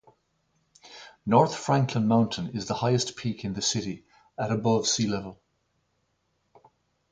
North Franklin Mountain is the highest peak in the city at above sea level.